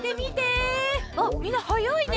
あっみんなはやいね。